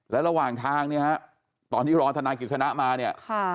แล้วระหว่างทางเนี่ยฮะตอนที่รอธนายกิจสนะมาเนี่ย